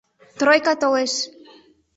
— Тройка толеш!